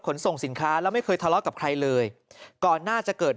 ส่งสินค้าแล้วไม่เคยทะเลาะกับใครเลยก่อนหน้าจะเกิด